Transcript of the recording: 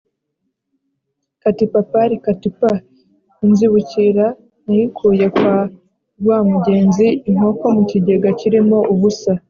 Kati papari kati pa, inzibukira nayikuye kwa Rwamugenzi.-Inkoko mu kigega kirimo ubusa.